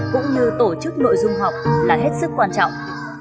cũng như tổ chức nội dung học là hết sức quan trọng